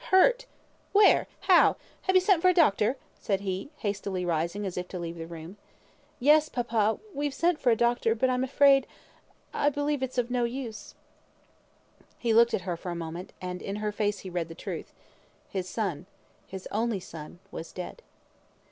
"Hurt? Where? How? Have you sent for a doctor?" said he, hastily rising, as if to leave the room. "Yes, papa, we've sent for a doctor but I'm afraid I believe it's of no use." He looked at her for a moment, and in her face he read the truth. His son, his only son, was dead.